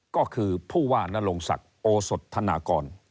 ก็คือผู้ว่านรงศักดิ์โอสดธนากร